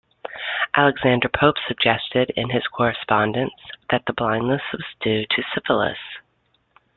Alexander Pope suggested, in his correspondence, that the blindness was due to syphilis.